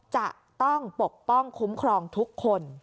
จะต้องปกป้องคุ้มครองทุกคน